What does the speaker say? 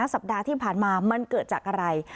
สัปดาห์ที่ผ่านมามันเกิดจากอะไร